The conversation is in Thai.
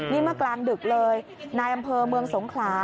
นี่เมื่อกลางดึกเลยนายอำเภอเมืองสงขลา